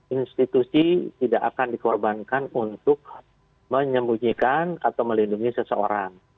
institusi tidak akan dikorbankan untuk menyembunyikan atau melindungi seseorang